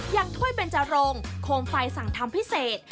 อย่างถ้วยเป็นจารงโคมไฟสั่งทำพิเศษ